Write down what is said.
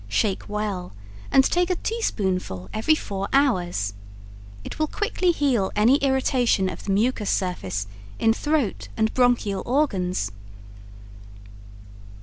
Shake well and take a teaspoonful every four hours. It will quickly heal any irritation of the mucous surface in throat and bronchial organs.